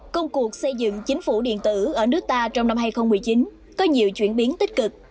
công cuộc xây dựng chính phủ điện tử ở nước ta trong năm hai nghìn một mươi chín có nhiều chuyển biến tích cực